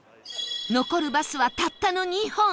残るバスはたったの２本